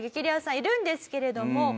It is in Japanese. レアさんいるんですけれども。